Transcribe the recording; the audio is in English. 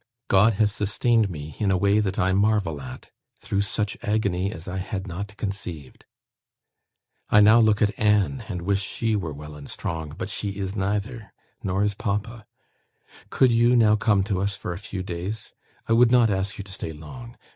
"God has sustained me, in a way that I marvel at, through such agony as I had not conceived. I now look at Anne, and wish she were well and strong; but she is neither; nor is papa. Could you now come to us for a few days? I would not ask you to stay long.